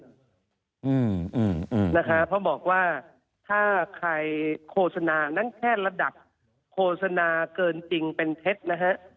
เพราะบอกว่าถ้าใครโฆษณานั้นแค่ระดับโฆษณาเกินจริงเป็นเท็จนะฮะ